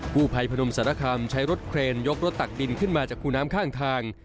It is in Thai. ผู้ภัยพนมสารคามใช้รถเครนยกรถตักดินขึ้นมาจากคูน้ำข้างทาง